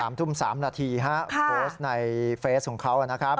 สามทุ่มสามนาทีฮะโพสต์ในเฟซของเขาอะนะครับ